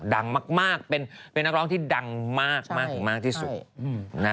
ดังมากเป็นนักร้องที่ดังมากที่สุด